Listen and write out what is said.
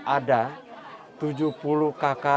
ada tujuh puluh kakak